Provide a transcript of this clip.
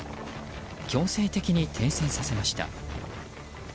強制的に停船させました。